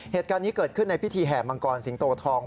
เหตุการณ์นี้เกิดขึ้นในพิธีแห่มังกรสิงโตทอง